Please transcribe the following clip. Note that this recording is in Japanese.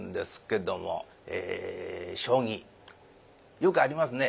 よくありますね。